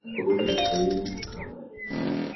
Abagore bicaye mu kabari